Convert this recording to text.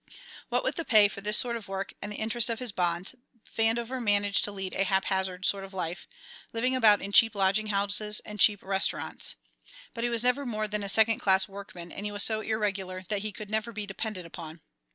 What with the pay for this sort of work and the interest of his bonds, Vandover managed to lead a haphazard sort of life, living about in cheap lodging houses and cheap restaurants. But he was never more than a second class workman, and he was so irregular that he could never be depended upon.